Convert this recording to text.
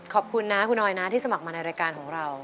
ขอบคุณนะคุณออยนะที่สมัครมาในรายการของเรา